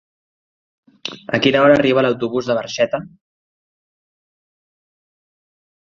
A quina hora arriba l'autobús de Barxeta?